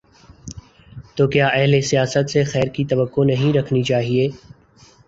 تو کیا اہل سیاست سے خیر کی توقع نہیں رکھنی چاہیے؟